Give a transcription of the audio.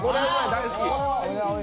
大好き。